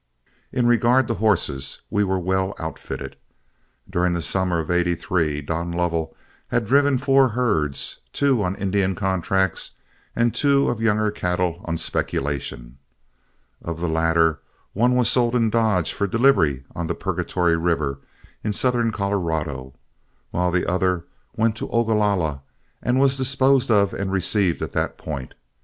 In regard to horses we were well outfitted. During the summer of '83, Don Lovell had driven four herds, two on Indian contract and two of younger cattle on speculation. Of the latter, one was sold in Dodge for delivery on the Purgatory River in southern Colorado, while the other went to Ogalalla, and was disposed of and received at that point.